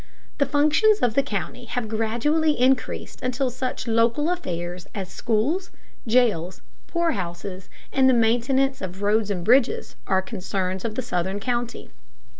The functions of the county have gradually increased until such local affairs as schools, jails, poorhouses, and the maintenance of roads and bridges are concerns of the Southern county.